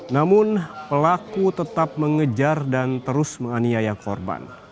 namun pelaku tetap mengejar dan terus menganiaya korban